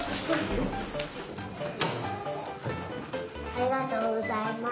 ありがとうございます。